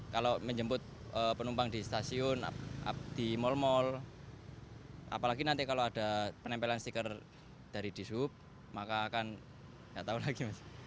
kalau menjemput penumpang di stasiun di mal mal apalagi nanti kalau ada penempelan stiker dari di sub maka akan nggak tahu lagi mas